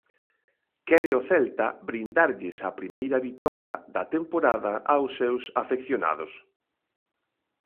Quere o Celta brindarlles a primeira vitoria da temporada aos seus afeccionados.